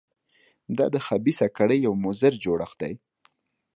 دا د خبیثه کړۍ یو مضر جوړښت دی.